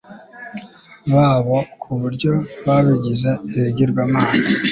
babo ku buryo babagize ibigirwamana